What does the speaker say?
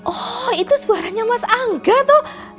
oh itu suaranya mas angga tuh